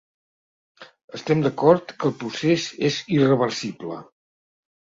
Estem d’acord que el procés és irreversible.